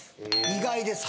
意外です